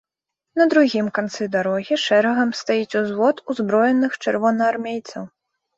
На другім канцы дарогі шэрагам стаіць узвод узброеных чырвонаармейцаў.